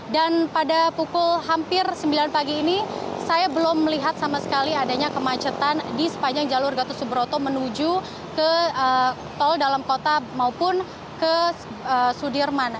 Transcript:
dan pada pukul hampir sembilan pagi ini saya belum melihat sama sekali adanya kemacetan di sepanjang jalur gatot subroto menuju ke tol dalam kota maupun ke sudirman